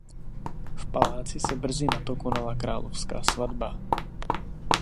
V paláci se brzy nato konala královská svatba.